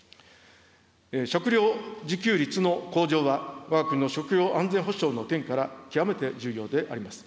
食料自給率の向上は、わが国の食料安全保障の点から極めて重要であります。